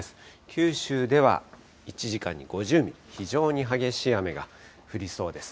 九州では１時間に５０ミリ、非常に激しい雨が降りそうです。